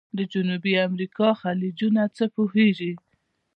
د جنوبي امریکا خلیجونه څه پوهیږئ؟